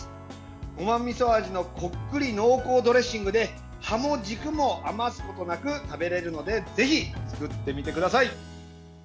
ごまみそ味の濃厚ドレッシングで葉も軸も余すことなく食べられるのでぜひ作ってみてください。